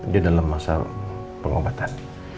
di dalam masa pengobatan